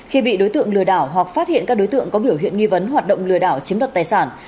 khi bị đối tượng lừa đảo hoặc phát hiện các đối tượng có biểu hiện nghi vấn hoạt động lừa đảo chiếm đoạt tài sản